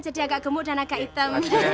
jadi agak gemuk dan agak hitam